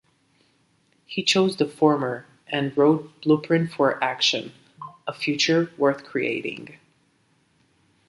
He chose the former, and wrote Blueprint for Action: A Future Worth Creating.